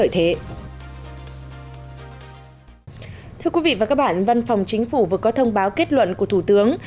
thưa quý vị và các bạn văn phòng chính phủ vừa có thông báo kết luận của thủ tướng